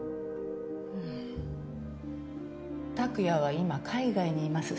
うん拓也は今海外にいます。